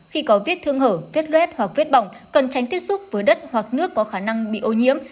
khi có viết thương hở viết luet hoặc viết bỏng cần tránh tiếp xúc với đất hoặc nước có khả năng bị ô nhiễm